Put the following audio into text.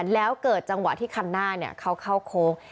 แล้วเกิดจังหวะที่คันหน้าเขาเข้าโค้ง